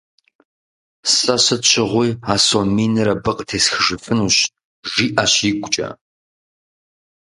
Сэ сыт щыгъуи а сом миныр абы къытесхыжыфынущ, - жиӀэщ игукӀэ.